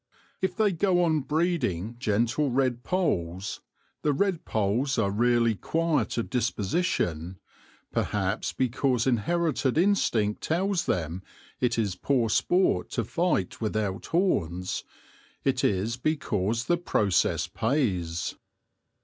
If they go on breeding gentle Red Polls the Red Polls are really quiet of disposition, perhaps because inherited instinct tells them it is poor sport to fight without horns it is because the process pays.